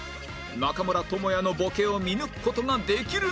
中村倫也のボケを見抜く事ができるのか？